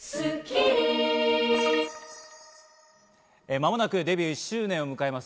間もなくデビュー１周年を迎えます